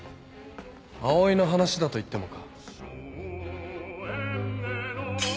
葵の話だと言ってもか？